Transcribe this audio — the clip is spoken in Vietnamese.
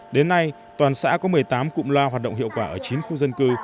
đến nay toàn xã có một mươi tám cụm lo hoạt động hiệu quả ở chín khu dân cư